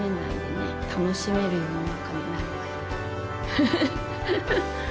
フフフフ。